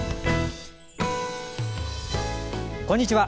こんにちは。